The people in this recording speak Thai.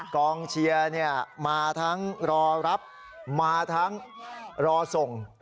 กองเชียร์มาทั้งรอรับมาทั้งรอส่ง